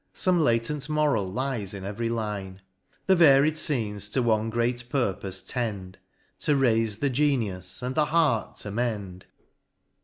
Some latent moral lies in every line ; The varied fcenes to one great purpofe tend, *' To raife the Genius, and the heart to mend."